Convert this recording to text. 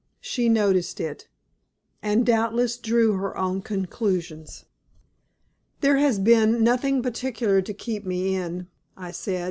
She noticed it, and doubtless drew her own conclusions. "There has been nothing particular to keep me in," I said.